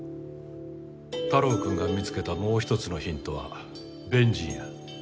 太郎くんが見つけたもう一つのヒントはベンジンや。